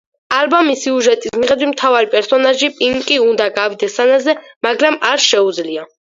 ალბომის სიუჟეტის მიხედვით, მთავარი პერსონაჟი პინკი უნდა გავიდეს სცენაზე, მაგრამ არ შეუძლია.